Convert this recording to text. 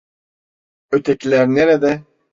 Ötekiler nerede?